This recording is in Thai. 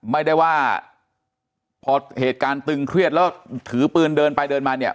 ไม่ได้ว่าพอเหตุการณ์ตึงเครียดแล้วถือปืนเดินไปเดินมาเนี่ย